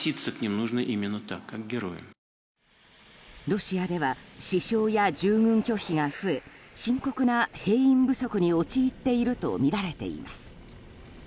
ロシアでは死傷や従軍拒否が増え深刻な兵員不足に陥っているとみられています。